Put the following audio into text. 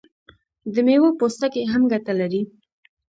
د میوو پوستکي هم ګټه لري.